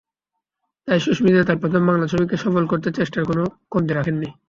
তাই সুস্মিতা তাঁর প্রথম বাংলা ছবিকে সফল করতে চেষ্টার কোনো কমতি রাখেননি।